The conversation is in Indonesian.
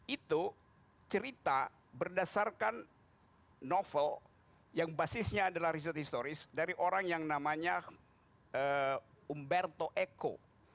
itu cerita berdasarkan novel yang basisnya adalah riset historis dari orang yang namanya umberto eko